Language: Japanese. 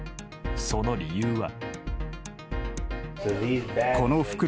その理由は。